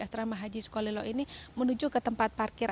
asrama haji sukolilo ini menuju ke tanah air